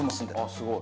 すごい。